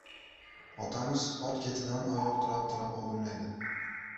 Otamiz ot ketidan oyoq tirab-tirab odimlaydi.